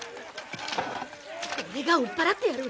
俺が追っ払ってやる。